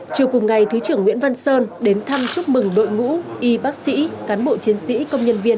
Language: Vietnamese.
chiều cùng ngày thứ trưởng nguyễn văn sơn đến thăm chúc mừng đội ngũ y bác sĩ cán bộ chiến sĩ công nhân viên